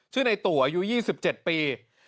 ชื่อในตัวอายุ๒๗ปี